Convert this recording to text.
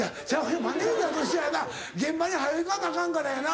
マネジャーとしてはな現場に早行かなアカンからやな。